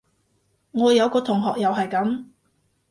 我有個同學又係噉